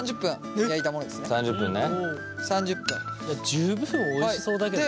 十分おいしそうだけどな。